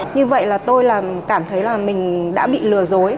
như vậy là tôi là cảm thấy là mình đã bị lừa dối